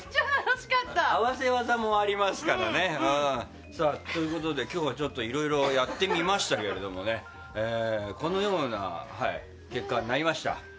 合わせ技もありますからね。ということで今日はちょっといろいろやってみましたけどこのような結果になりました。